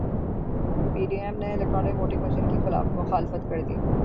پی D M نے electronic voting machine کی مخالفت کردی